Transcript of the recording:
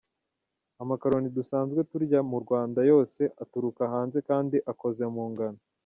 Amakaroni dusanzwe turya mu Rwanda yose aturuka hanze kandi akoze mu ngano.